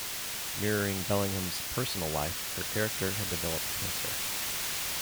Mirroring Bellingham's personal life, her character had developed cancer.